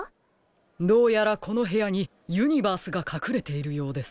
どうやらこのへやにユニバースがかくれているようです。